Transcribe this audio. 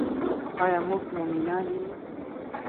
آیا موږ مومنان یو؟